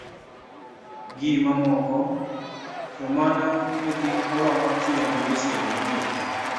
gi mamoko, to mana ni kik olok tiend weche mondiki.